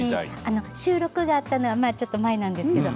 収録があったのはちょっと前なんですけれど